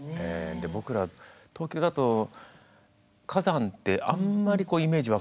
で僕ら東京だと火山ってあんまりイメージ湧かないじゃないですか。